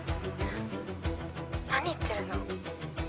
何言ってるの？